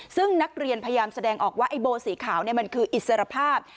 ซึ่งนักเรียนพยายามแสดงออกว่าไอ้โบสีขาวมันคืออิสรภาพ